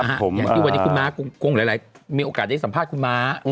อย่างที่วันนี้คุณม้ากงหลายมีโอกาสได้สัมภาษณ์คุณม้า